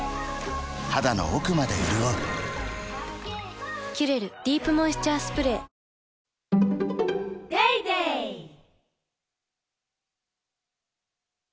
肌の奥まで潤う「キュレルディープモイスチャースプレー」いや！